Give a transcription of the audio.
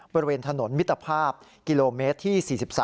บริเวณถนนมิตรภาพกิโลเมตรที่๔๓